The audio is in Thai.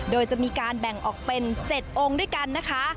โดยจะมีการแบ่งออกเป็น๗องค์ด้วยกันนะคะ